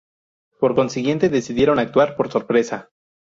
Por consiguiente decidieron actuar por sorpresa.